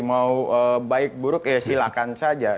mau baik buruk ya silakan saja